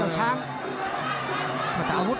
แล้วทีมงานน่าสื่อ